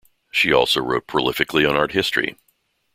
She also wrote prolifically on art history.